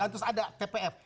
terus ada tpf